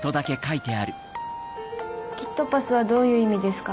キットパスはどういう意味ですか？